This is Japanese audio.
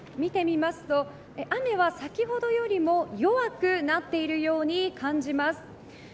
現在の雨の様子、見てみますと雨は先ほどよりも弱くなっているように感じます。